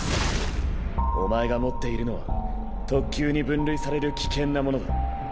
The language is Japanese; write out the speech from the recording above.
お前が持っているのは特級に分類される危険なものだ。